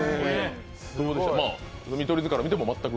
見取り図から見ても全く？